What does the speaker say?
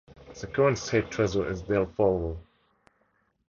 The current state treasurer is Dale Folwell.